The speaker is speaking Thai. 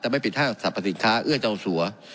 ไม่ปิดห้างสรรพสินค้าเอื้อเจ้าสัว